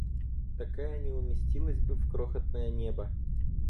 Такая не уместилась бы в крохотное небо!